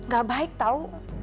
gak baik tau